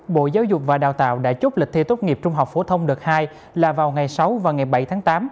bộ giáo dục và đào tạo đã chốt lịch thi tốt nghiệp trung học phổ thông đợt hai là vào ngày sáu và ngày bảy tháng tám